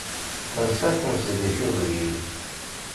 Tensa tmest di tiẓgi.